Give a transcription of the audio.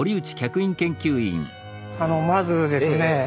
あのまずですね